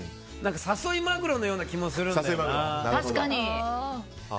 誘いマグロのような気もするんだよな。